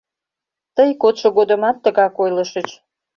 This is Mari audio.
— Тый кодшо годымат тыгак ойлышыч...